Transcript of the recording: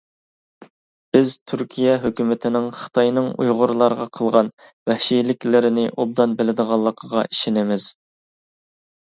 بىز تۈركىيە ھۆكۈمىتىنىڭ خىتاينىڭ ئۇيغۇرلارغا قىلغان ۋەھشىيلىكلىرىنى ئوبدان بىلىدىغانلىقىغا ئىشىنىمىز.